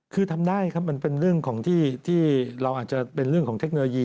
คือทำได้ครับมันเป็นเรื่องของที่เราอาจจะเป็นเรื่องของเทคโนโลยี